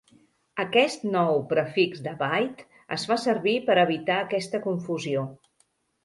Aquest nou prefix de byte es fa servir per evitar aquesta confusió.